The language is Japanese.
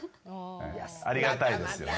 ありがたいですね。